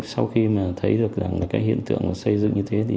sau khi thấy được hiện tượng xây dựng như thế